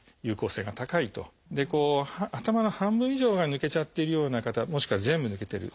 こう頭の半分以上が抜けちゃってるような方もしくは全部抜けてる。